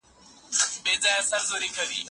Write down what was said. که زه لوی شم له پلار سره به کار کوم.